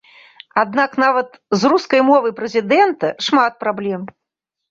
Аднак нават з рускай мовай прэзідэнта шмат праблем.